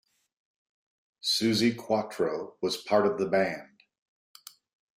Suzi Quatro was part of the band.